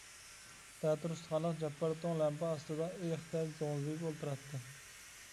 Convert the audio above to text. تەتۈر ئۇستىخانلىق جاپپار توڭ لەمپە ئاستىدا ئېيىقتەك زوڭزىيىپ ئولتۇراتتى.